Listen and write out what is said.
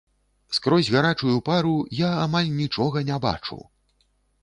Скрозь гарачую пару я амаль нічога не бачу.